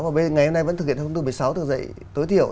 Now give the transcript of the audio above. và ngày hôm nay vẫn thực hiện theo hướng tư một mươi sáu từng dạy tối thiểu